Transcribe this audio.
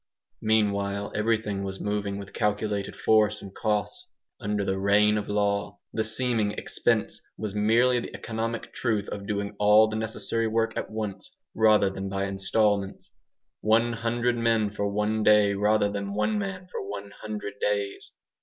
Meanwhile everything was moving with calculated force and cost, under the "reign of law". The seeming expense was merely the economic truth of doing all the necessary work at once, rather than by instalments. One hundred men for one day rather than one man for one hundred days.